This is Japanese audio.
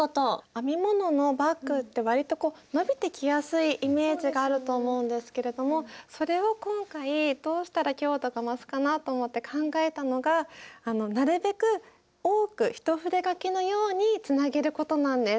編み物のバッグってわりとこう伸びてきやすいイメージがあると思うんですけれどもそれを今回どうしたら強度が増すかなと思って考えたのがなるべく多く一筆書きのようにつなげることなんです。